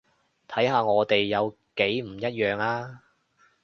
睇下我哋有幾唔一樣呀